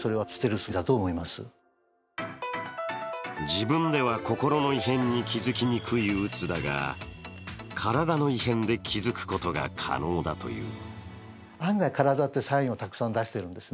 自分では、心の異変に気付きにくいうつだが、体の異変で気付くことが可能だという。